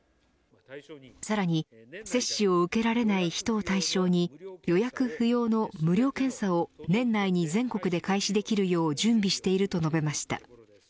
さらに、接種を受けられない人を対象に予約不要の無料検査を年内に全国で開始できるよう準備していると述べました。